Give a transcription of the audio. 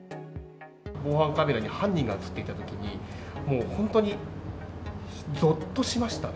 防犯カメラに犯人が写っていたときに、もう本当にぞっとしましたね。